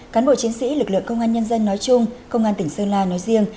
cán bộ chiến sĩ lực lượng công an nhân dân nói chung công an tỉnh sơn la nói riêng